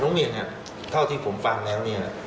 น้องเมียครับเท่าที่ผมฟังแล้ว